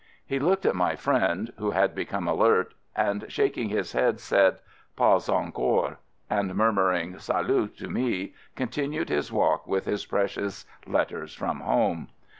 He looked at my friend — who had become alert — and shaking his head, said, "Pas encore" — and murmuring "Salut" to me con tinued his walk with his precious "letters from home."